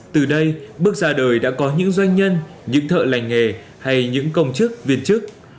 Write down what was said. từ đây bước ra đời đã có những doanh nhân những thợ lành nghề hay những công chức viên chức